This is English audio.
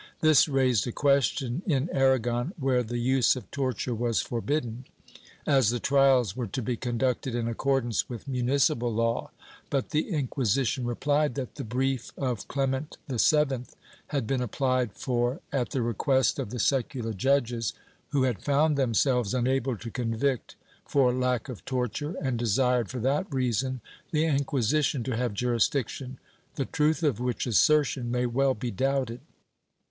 This raised a question in Aragon, where the use of torture was forbidden, as the trials were to be conducted in accord ance with municipal law, but the Inquisition repHed that the brief of Clement VII had been applied for at the request of the secular judges, who had found themselves unable to convict for lack of torture, and desired, for that reason, the Inquisition to have juris diction— the truth of which assertion may well be doubted.